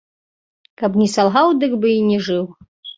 Каб не салгаў, дык бы і не жыў.